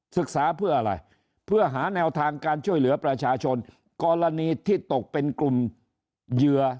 ศึกษาเพื่ออะไรเพื่อหาแนวทางการช่วยเหลือประชาชนกรณีที่ตกเป็นกลุ่มเหยื่อ